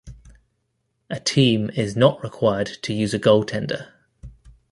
A team is not required to use a goaltender.